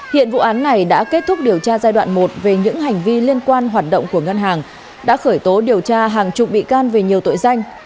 hiện vụ án này đã kết thúc điều tra giai đoạn một về những hành vi liên quan hoạt động của ngân hàng đã khởi tố điều tra hàng chục bị can về nhiều tội danh